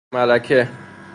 ملکه